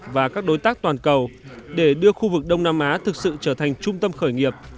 và các đối tác toàn cầu để đưa khu vực đông nam á thực sự trở thành trung tâm khởi nghiệp